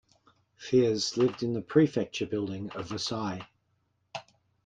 Thiers lived in the Prefecture building of Versailles.